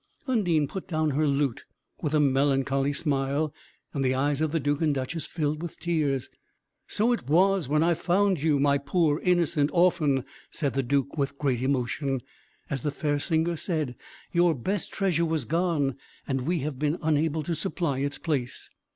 Undine put down her lute with a melancholy smile and the eyes of the Duke and Duchess filled with tears: "So it was when I found you, my poor innocent orphan!" said the Duke with great emotion "as the fair singer said, your best treasure was gone and we have been unable to supply its place."